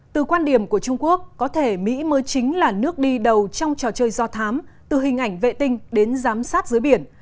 từ quan điểm của trung quốc có thể mỹ mới chính là nước đi đầu trong trò chơi do thám từ hình ảnh vệ tinh đến giám sát dưới biển